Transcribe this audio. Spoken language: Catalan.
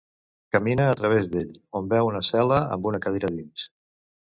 Camina a través d'ell, on veu una cel·la amb una cadira dins.